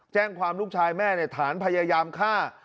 แจ้งความลูกชายแม่ฐานพยายามฆ่า